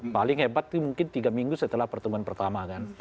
paling hebat itu mungkin tiga minggu setelah pertemuan pertama kan